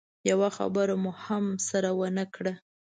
يوه خبره مو هم سره ونه کړه.